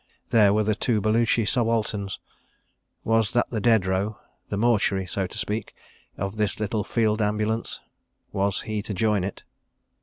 ... There were the two Baluchi subalterns. ... Was that the dead row—the mortuary, so to speak, of this little field ambulance? Was he to join it?